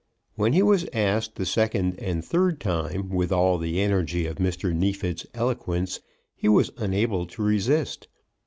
When he was asked the second and third time, with all the energy of Mr. Neefit's eloquence, he was unable to resist.